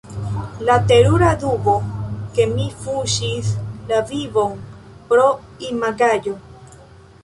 La terura dubo — ke mi fuŝis la vivon pro imagaĵo.